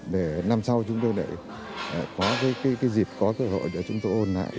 để năm sau chúng ta có dịp có cơ hội để chúng ta hôn lại